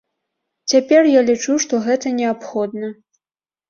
Цяпер я лічу, што гэта неабходна.